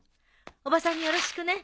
おばさんによろしくね。